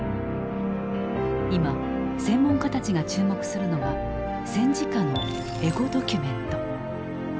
今専門家たちが注目するのが戦時下のエゴドキュメント。